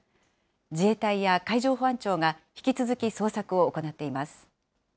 自衛隊や海上保安庁が引き続き捜索を行っています。